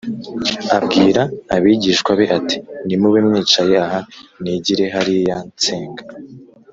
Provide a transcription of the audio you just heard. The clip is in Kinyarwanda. abwira abigishwa be ati “Nimube mwicaye aha nigire hariya nsenge.”